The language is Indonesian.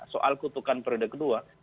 soal kutukan periode kedua